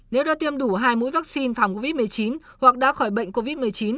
nếu đã tiêm đủ hai mũi vaccine phòng covid một mươi chín hoặc đã khỏi bệnh covid một mươi chín